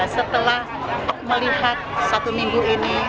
setelah melihat satu minggu ini